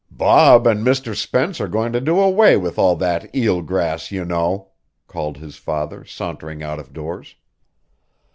"Bob and Mr. Spence are going to do away with all that eel grass, you know," called his father, sauntering out of doors.